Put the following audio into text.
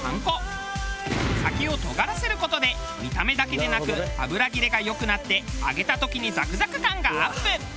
先を尖らせる事で見た目だけでなく油切れが良くなって揚げた時にザクザク感がアップ。